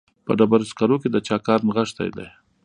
په ډبرو سکرو کې د چا کار نغښتی دی